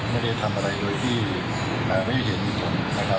ไม่ได้ทำอะไรโดยที่ไม่เห็นผล